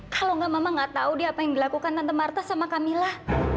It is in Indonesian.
kalau nggak mama nggak tahu deh apa yang dilakukan tante marta sama kamila